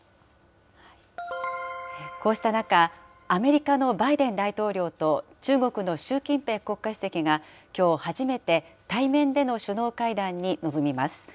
こうした中、アメリカのバイデン大統領と中国の習近平国家主席がきょう初めて対面での首脳会談に臨みます。